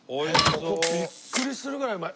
ここビックリするぐらいうまい。